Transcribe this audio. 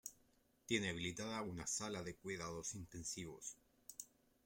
Tiene habilitada una sala de Cuidados Intensivos.